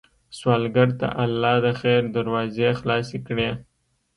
سوالګر ته الله د خیر دروازې خلاصې کړې